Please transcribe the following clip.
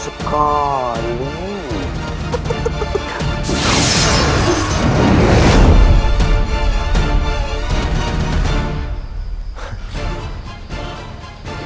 kau tak pernah mengatakan